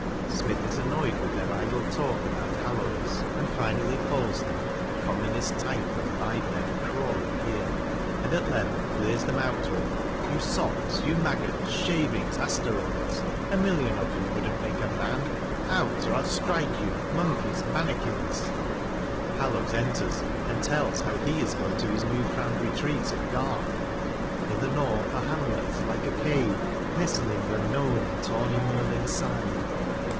Smith is annoyed with their idle talk about Hallowes, and finally calls them The commonest type of biped crawling here. O 194 CRITICAL STUDIES And at length clears them out with You sots, you maggots, shavings, asteroids ! A million of you wouldn't make a man ! Out, or I'll strike you, monkeys, mannikins. Hallowes enters and tells how he is going to his new found retreat of Garth, In the North, a hamlet like a cave, Nestling unknown in tawny Merlin's side.